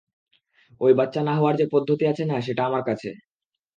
ঐ বাচ্চা না হওয়ার যে পদ্ধতি আছে না, সেটা আছে আমার কাছে।